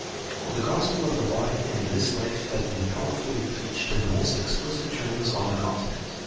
The Gospel of the body and this life has been powerfully preached in the most explicit terms on the Continent.